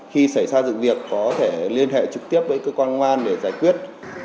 khi xảy ra dựng việc có thể liên hệ trực tiếp với cơ quan ngoan để giải quyết